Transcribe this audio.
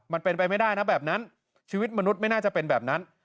มันเป็นไปไม่ได้นะแบบนั้นชีวิตมนุษย์ไม่น่าจะเป็นแบบนั้น